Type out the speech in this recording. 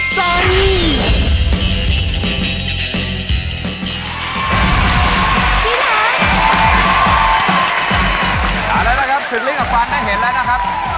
สามารถนะครับสึกลิ้นกับฟันมาได้เห็นแล้วนะครับ